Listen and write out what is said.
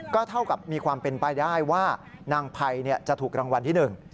ก็เท่ากับมีความเป็นไปได้ว่านางภัยจะถูกรางวัลที่หนึ่ง